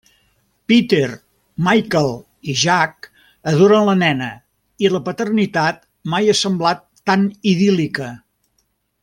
Peter, Michael, i Jack adoren la nena i la paternitat mai ha semblat tan idíl·lica.